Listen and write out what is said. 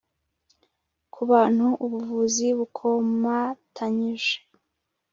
ku bantu ubuvuzi bukomatanyije